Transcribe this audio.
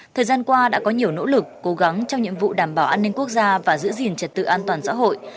thời gian qua đã có nhiều nỗ lực cố gắng trong nhiệm vụ đảm bảo an ninh quốc gia và giữ gìn trật tự an toàn xã hội